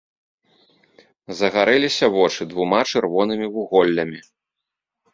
Загарэліся вочы двума чырвонымі вуголлямі.